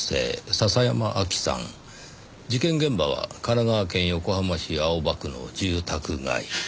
事件現場は神奈川県横浜市青葉区の住宅街。